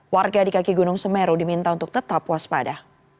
warga di kaki gunung semeru diminta untuk tetap waspada